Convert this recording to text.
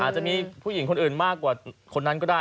จะมีผู้หญิงคนอื่นมากกว่าคนนั้นก็ได้